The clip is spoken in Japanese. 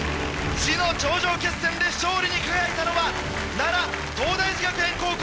知の頂上決戦で勝利に輝いたのは奈良東大寺学園高校！